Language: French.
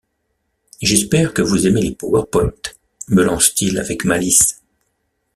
« J’espère que vous aimez les powerpoint » me lance-t-il avec malice.